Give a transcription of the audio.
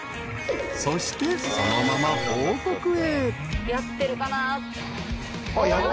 ［そしてそのまま報告へ］